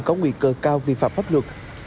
có nguy cơ cao vi phạm pháp luật